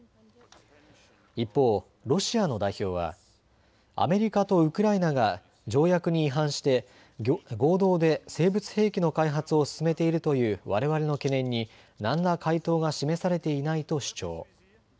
一方、ロシアの代表はアメリカとウクライナが条約に違反して合同で生物兵器の開発を進めているというわれわれの懸念に何ら回答が示されていないと主張。